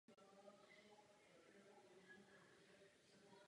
V jiném členském státě vás ošetří pouze v krizové situaci.